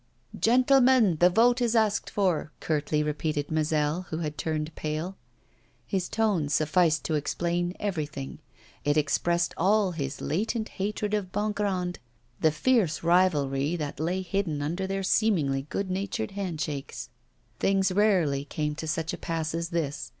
'Gentlemen, the vote is asked for,' curtly repeated Mazel, who had turned pale. His tone sufficed to explain everything: it expressed all his latent hatred of Bongrand, the fierce rivalry that lay hidden under their seemingly good natured handshakes. Things rarely came to such a pass as this.